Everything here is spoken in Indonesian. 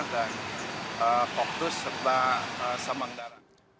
dan fokus serta semang darah